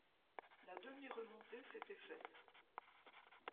La demi-remontée s’était faite.